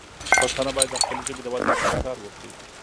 پښتانه باید د خپلې ژبې د ودې لپاره کار وکړي.